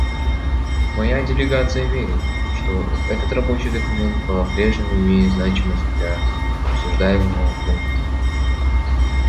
Моя делегация верит, что этот рабочий документ по-прежнему имеет значимость для обсуждаемого пункта.